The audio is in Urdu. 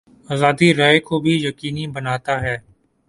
آزادیٔ رائے کو بھی یقینی بناتا ہے۔